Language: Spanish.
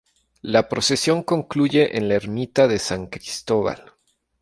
La procesión concluye en la Ermita de San Cristóbal.